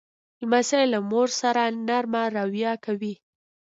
لمسی له مور سره نرمه رویه کوي.